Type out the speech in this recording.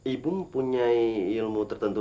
ibu punya ilmu tertentu